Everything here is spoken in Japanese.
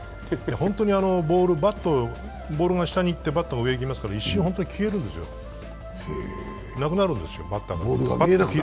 本当にボールが上にいってバットが下にいきますから一瞬、本当に消えるんですよ、なくなるんですよ。